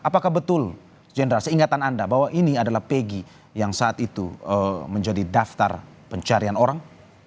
apakah betul jenderal seingatan anda bahwa ini adalah pegi yang saat itu menjadi daftar pencarian orang